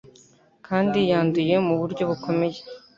kandi yanduye mu buryo bukomeye